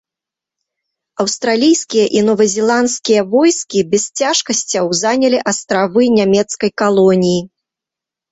Аўстралійскія і новазеландскія войскі без цяжкасцяў занялі астравы нямецкай калоніі.